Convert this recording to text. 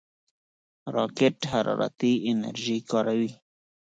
راکټ حرارتي انرژي کاروي